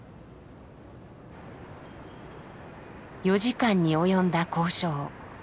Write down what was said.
４時間に及んだ交渉。